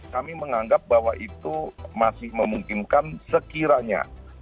kami menganggap bahwa itu masih memungkinkan sekiranya